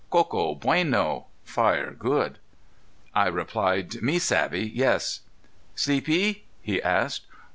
"Coco, bueno (fire good)." I replied, "Me savvy yes." "Sleep ie?" he asked.